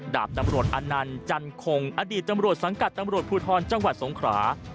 ดาบตำรวจอนันต์จันคงอดีตตำรวจสังกัดตำรวจภูทรจังหวัดสงขรา